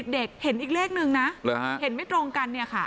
เด็กเห็นอีกเลขนึงนะเห็นไม่ตรงกันเนี่ยค่ะ